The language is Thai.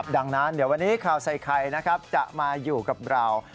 ดังนั้นเดี๋ยววันนี้ข่าวใส่ไข่นะครับจะมาอยู่กับเรา